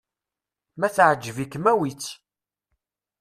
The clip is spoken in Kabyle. Ma teɛǧeb-ikem, awi-tt.